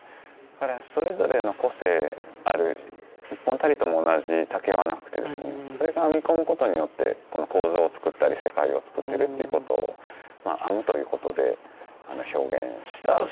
だからそれぞれの個性ある一本たりとも同じ竹はなくてですねそれが編み込むことによってこの構造をつくったり世界をつくってるっていうことを編むということで表現していると。